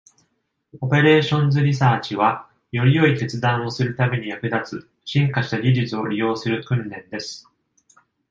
オペレーションズリサーチは、より良い決断をするために役立つ、進化した技術を利用する訓練です。